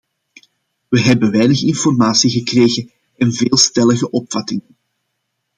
We hebben weinig informatie gekregen en veel stellige opvattingen.